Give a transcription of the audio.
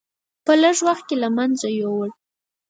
په لږ وخت کې له منځه یووړ.